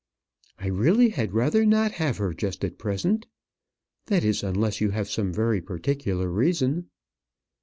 "I really had rather not have her just at present; that is, unless you have some very particular reason."